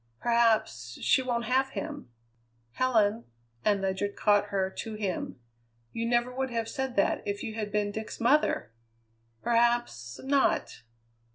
"Perhaps she won't have him!" "Helen" and Ledyard caught her to him "you never would have said that if you had been Dick's mother!" "Perhaps not!"